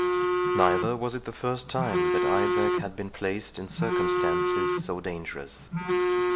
Neither was it the first time that Isaac had been placed in circumstances so dangerous.